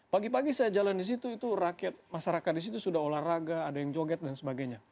pagi pagi saya jalan di situ itu rakyat masyarakat di situ sudah olahraga ada yang joget dan sebagainya